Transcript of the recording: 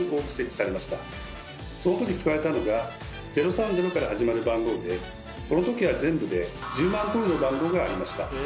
その時使われたのが「０３０」から始まる番号でこの時は全部で１０万通りの番号がありました。